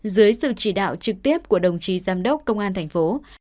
dưới sự chỉ đạo trực tiếp của đồng chí giám đốc công an thành phố